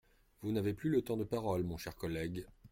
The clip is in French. Vous n’avez plus de temps de parole, mon cher collègue.